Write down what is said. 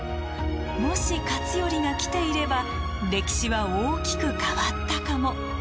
もし勝頼が来ていれば歴史は大きく変わったかも。